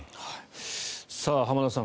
浜田さん